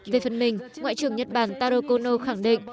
về phần mình ngoại trưởng nhật bản taro kono khẳng định